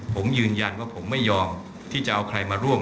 ผมยืนยันว่าผมไม่ยอมที่จะเอาใครมาร่วม